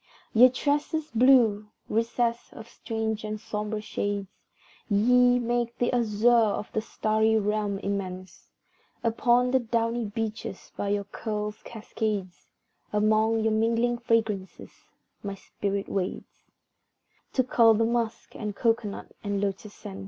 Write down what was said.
Ye tresses blue recess of strange and sombre shades, Ye make the azure of the starry Realm immense; Upon the downy beeches, by your curls' cascades, Among your mingling fragrances, my spirit wades To cull the musk and cocoa nut and lotus scents.